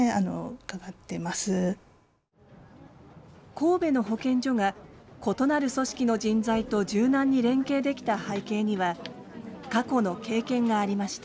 神戸の保健所が異なる組織の人材と柔軟に連携できた背景には過去の経験がありました。